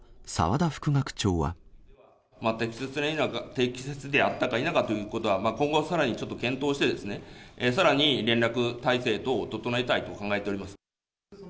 適切であったか否かということは、今後、さらにちょっと検討してですね、さらに連絡体制等を整えたいと考えております。